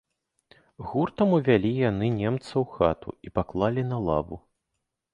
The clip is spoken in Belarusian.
Гуртам увялі яны немца ў хату і паклалі на лаву.